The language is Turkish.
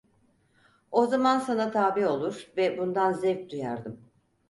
O zaman sana tabi olur ve bundan zevk duyardım.